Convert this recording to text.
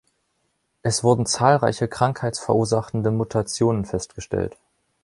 Es wurden zahlreiche krankheitsverursachende Mutationen festgestellt.